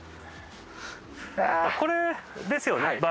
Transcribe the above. これですよね